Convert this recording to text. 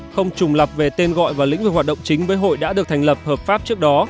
không trùng lập về tên gọi và lĩnh vực hoạt động chính với hội đã được thành lập hợp pháp trước đó